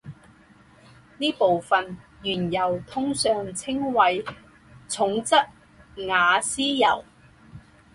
这部分原油通常称为重质瓦斯油。